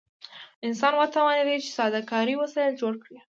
انسان وتوانید چې ساده کاري وسایل جوړ کړي.